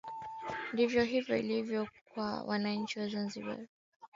ndivyo hivyo ilivyo kuwa kwa wananchi wa zanzibar